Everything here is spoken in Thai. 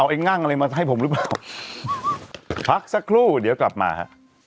ไอ้งั่งอะไรมาให้ผมหรือเปล่าพักสักครู่เดี๋ยวกลับมาฮะ